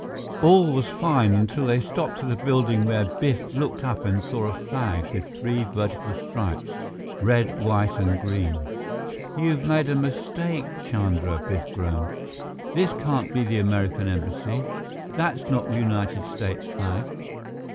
All was fine until they stopped at a building where Biff looked up and saw a flag with three vertical stripes red, white, and green. "You've made a mistake, Chandra," Biff groaned. "This can't be the American Embassy. That's not the United States flag."